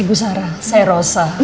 ibu sarah saya rosa